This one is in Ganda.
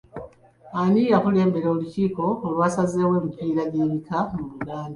Ani yakulembera olukiiko olwazzaawo emipiira gy’ebika mu Buganda?